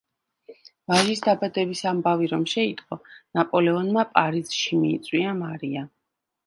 ვაჟის დაბადების ამბავი რომ შეიტყო, ნაპოლეონმა პარიზში მიიწვია მარია.